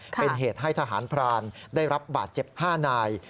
เป็นเหตุให้ทหารพรานได้รับบาดเจ็บ๕นาย